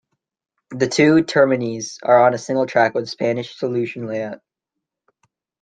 The two terminis are on a single track with a Spanish solution layout.